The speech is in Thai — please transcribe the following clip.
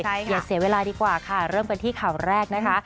อย่าเสียเวลาดีกว่าค่ะเริ่มกันที่ข่าวแรกนะคะ